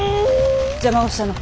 邪魔をしたの。